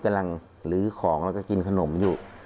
กำลังหรือของและกินขนมอยู่